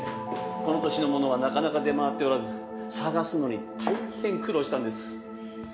この年のものはなかなか出回っておらず探すのに大変苦労したんです。